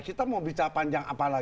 kita mau bicara panjang apa lagi